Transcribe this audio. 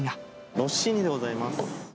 ロッシーニでございます。